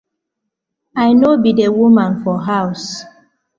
I no bi di woman for haws.